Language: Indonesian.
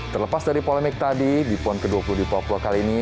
terlepas dari polemik tadi di pon ke dua puluh di papua kali ini